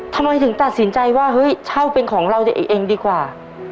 ทำไมถึงตัดสินใจว่าเฮ้ยเช่าเป็นของเราตัวเองดีกว่า